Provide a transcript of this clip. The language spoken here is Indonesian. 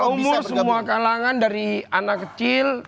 semua umur semua kalangan dari anak kecil